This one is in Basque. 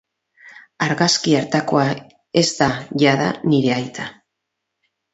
Argazki hartakoa ez da jada nire aita.